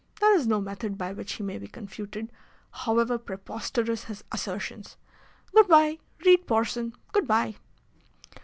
There is no method by which he may be confuted, however preposterous his assertions. Good bye! Read Porson! Goodbye!"